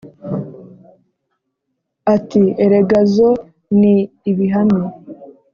Ati "erega zo ni ibihame